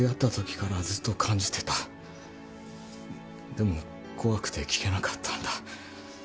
でも怖くて聞けなかったんだ。